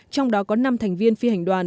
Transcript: trong đó có năm thành viên phi hành đoàn